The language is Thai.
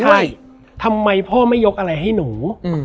ทำไมพ่อไม่ยกอะไรให้หนู